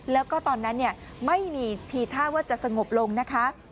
แล้วก็ตอนนั้นไม่มีทีท่าว่าจะสงบลงนะคะ